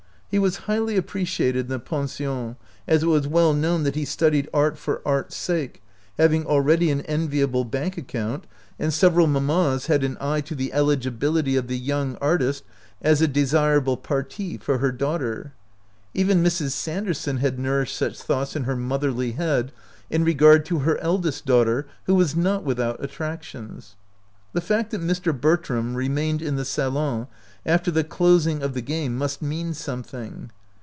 He was highly appre ciated in the pension, as it was well known that he studied art for art's sake, having al ready an enviable bank account, and several 60 OUT OF BOHEMIA mamas had an eye to the eligibility of the young artist as a desirable parti for her daughter. Even Mrs. Sanderson had nour ished such thoughts in her motherly head in regard to her eldest daughter, who was not without attractions. The fact that Mr. Bertram remained in the salon after the closing of the game must mean something.